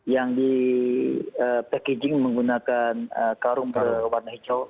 yang di packaging menggunakan karung berwarna hijau